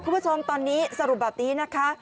คุณผู้ชมตอนนี้สรุปแบบนี้นะคะ